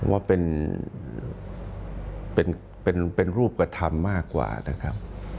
ว่าเป็นรูปกระทำมากกว่านะครับ